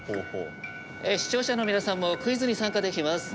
視聴者の皆さんもクイズに参加できます。